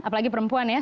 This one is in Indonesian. apalagi perempuan ya